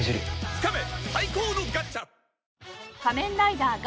つかめ！